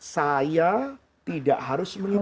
saya tidak harus mengikuti